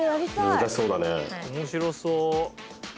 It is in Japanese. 面白そう。